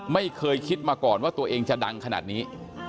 ไม่เคยคิดมาก่อนว่าตัวเองจะดังขนาดนี้